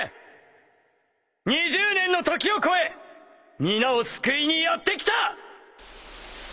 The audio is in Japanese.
２０年の時を越え皆を救いにやって来た！